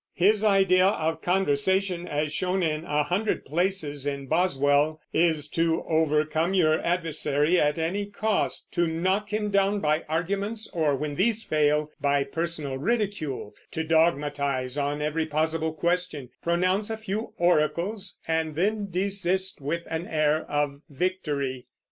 His idea of conversation, as shown in a hundred places in Boswell, is to overcome your adversary at any cost; to knock him down by arguments, or, when these fail, by personal ridicule; to dogmatize on every possible question, pronounce a few oracles, and then desist with the air of victory.